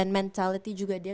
and mentality juga dia